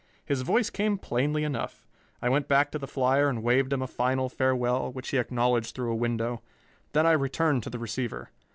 His voice came plainly enough. I went back to the flier and waved him a final farewell, which he acknowledged through a window; then I returned to the receiver.